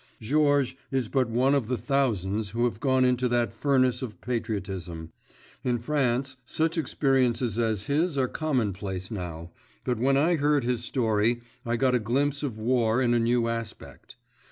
Georges is but one of the thousands who have gone into that furnace of patriotism; in France such experiences as his are commonplace now, but when I heard his story I got a glimpse of war in a new aspect.